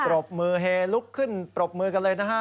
รบมือเฮลุกขึ้นปรบมือกันเลยนะฮะ